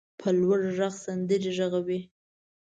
په لوړ غږ سندرې غږوي.